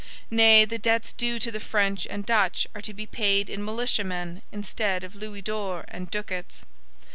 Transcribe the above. Nay, the debts due to the French and Dutch are to be paid in militiamen instead of louis d'ors and ducats.